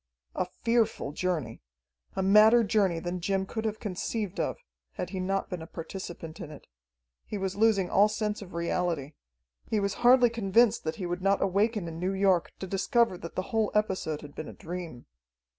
A fearful journey! A madder journey than Jim could have conceived of, had he not been a participant in it. He was losing all sense of reality. He was hardly convinced that he would not awaken in New York, to discover that the whole episode had been a dream.